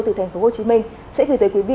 từ tp hcm sẽ gửi tới quý vị